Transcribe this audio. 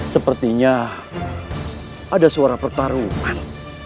sepertinya ada suara pertarungan